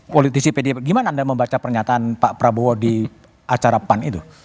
politisi pdip gimana anda membaca pernyataan pak prabowo di acara pan itu